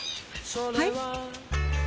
はい？